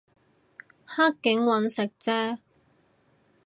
黑警搵食啫